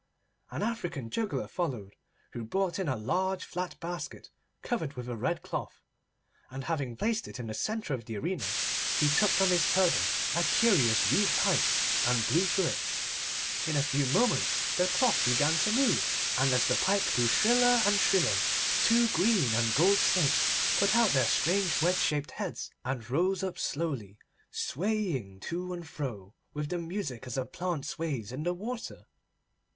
An African juggler followed, who brought in a large flat basket covered with a red cloth, and having placed it in the centre of the arena, he took from his turban a curious reed pipe, and blew through it. In a few moments the cloth began to move, and as the pipe grew shriller and shriller two green and gold snakes put out their strange wedge shaped heads and rose slowly up, swaying to and fro with the music as a plant sways in the water.